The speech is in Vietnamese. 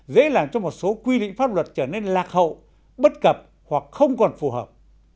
dễ làm cho một số quy định pháp luật trở nên lạc hậu bất cập hoặc không còn phù hợp